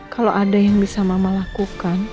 kalau ada yang bisa mama lakukan